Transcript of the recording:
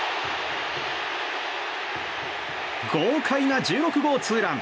豪快な１６号ツーラン。